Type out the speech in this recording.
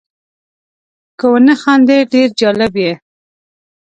که ونه خاندې ډېر جالب یې .